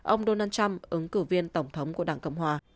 ông donald trump ứng cử viên tổng thống của đảng cộng hòa